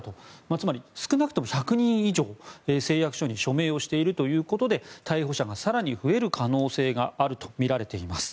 つまり少なくとも１００人以上誓約書に署名をしているということで逮捕者が更に増える可能性があるとみられています。